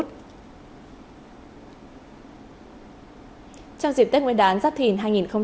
trong dịp tết nguyên đán giáp thìn hai nghìn hai mươi bốn